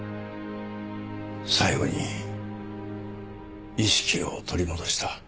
最期に意識を取り戻した